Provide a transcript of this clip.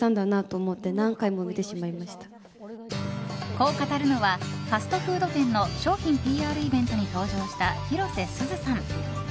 こう語るのはファストフード店の商品ＰＲイベントに登場した広瀬すずさん。